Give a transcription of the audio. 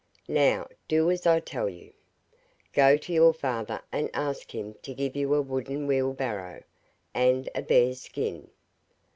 Now, do as I tell you. Go to your father and ask him to give you a wooden wheel barrow, and a bear's skin.